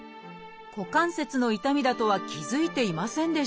股関節の痛みだとは気付いていませんでした。